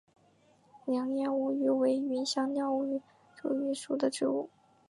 楝叶吴萸为芸香科吴茱萸属的植物。